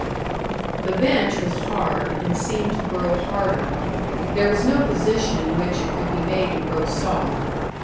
The bench was hard, and seemed to grow harder. There was no position in which it could be made to grow soft.